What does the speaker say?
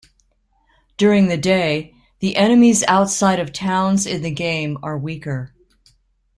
During the day, the enemies outside of towns in the game are weaker.